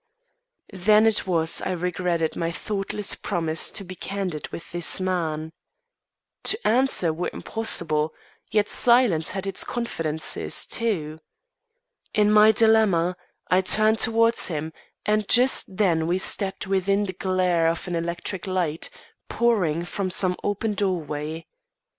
Then it was I regretted my thoughtless promise to be candid with this man. To answer were impossible, yet silence has its confidences, too. In my dilemma, I turned towards him and just then we stepped within the glare of an electric light pouring from some open doorway.